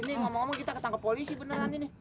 ini ngomong ngomong kita ketangkep polisi beneran ini